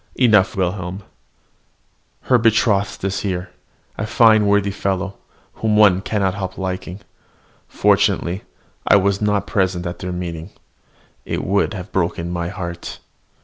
enough, Wilhelm: her betrothed is here, a fine, worthy fellow, whom one cannot help liking. Fortunately I was not present at their meeting. It would have broken my heart!